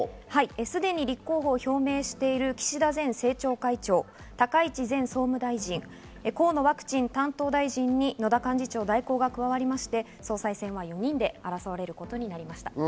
すでに立候補を表明している岸田前政調会長、高市前総務大臣、河野ワクチン担当大臣に野田幹事長代行が加わりまして、総裁選は４人で争われることになりました。